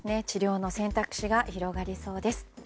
治療の選択肢が広がりそうです。